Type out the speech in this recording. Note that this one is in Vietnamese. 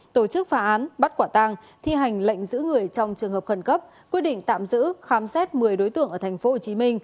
tổ chức phá án bắt quả tang thi hành lệnh giữ người trong trường hợp khẩn cấp quyết định tạm giữ khám xét một mươi đối tượng ở tp hcm